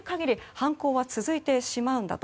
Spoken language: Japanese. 犯行は続いてしまうんだと。